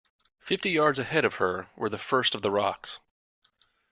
Fifty yards ahead of her were the first of the rocks.